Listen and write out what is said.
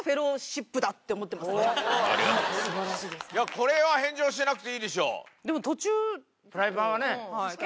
これは返上しなくていいでしょ。